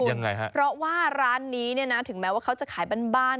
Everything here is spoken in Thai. ยังไงฮะเพราะว่าร้านนี้เนี่ยนะถึงแม้ว่าเขาจะขายบ้านบ้าน